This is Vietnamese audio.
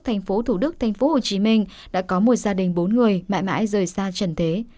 thành phố thủ đức thành phố hồ chí minh đã có một gia đình bốn người mãi mãi rời xa trần thế